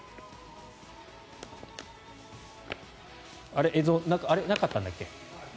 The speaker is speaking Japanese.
あれ、映像なかったんだっけ。